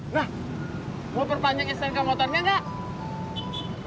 nah mau perpanjang snk motornya gak